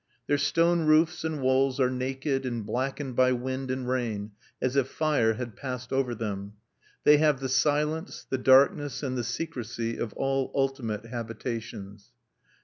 Their stone roofs and walls are naked and blackened by wind and rain as if fire had passed over them. They have the silence, the darkness and the secrecy of all ultimate habitations.